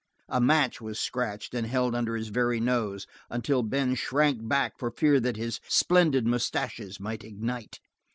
A match was scratched and held under his very nose, until Ben shrank back for fear that his splendid mustaches might ignite.